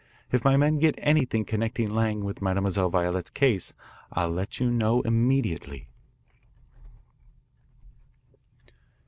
If my men get anything connecting Lang with Mademoiselle Violette's case I'll let you know immediately."